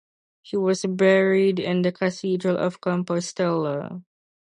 He was buried in the cathedral of Compostela.